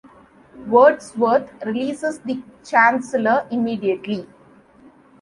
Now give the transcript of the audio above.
Wordsworth releases the Chancellor immediately.